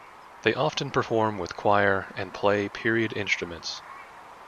They often perform with choir and play period instruments.